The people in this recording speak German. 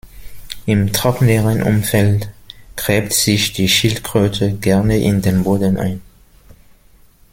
Im trockeneren Umfeld gräbt sich die Schildkröte gerne in den Boden ein.